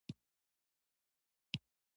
ازادي راډیو د تعلیم په اړه د ښځو غږ ته ځای ورکړی.